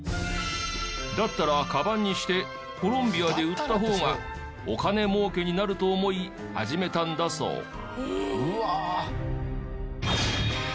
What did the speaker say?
だったらカバンにしてコロンビアで売った方がお金儲けになると思い始めたんだそう。